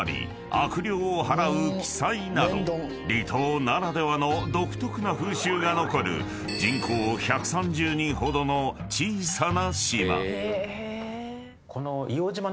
［離島ならではの独特な風習が残る人口１３０人ほどの小さな島］